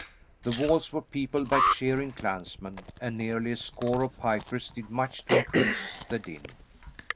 The walls were peopled by cheering clansmen, and nearly a score of pipers did much to increase the din.